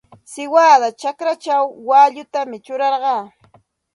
Siwada chakrachaw waallutam churarqaa.